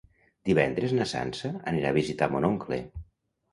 Divendres na Sança anirà a visitar mon oncle.